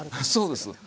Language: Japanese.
そうです。